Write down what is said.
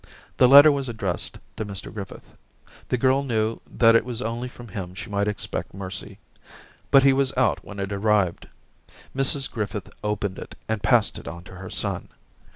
The letter was addressed to Mr Griffith ; the girl knew that it was only from him she might expect mercy; but he was out when it arrived. Mrs Griffith opened it, and passed it on to her son.